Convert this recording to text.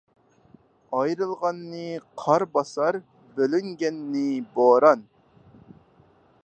ئايرىلغاننى قار باسار، بۆلۈنگەننى بوران.